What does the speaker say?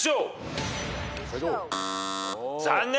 残念。